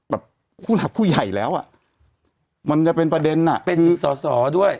แบบผู้หลักผู้ใหญ่แล้วอ่ะมันจะเป็นประเด็นอ่ะเป็นสอสอด้วย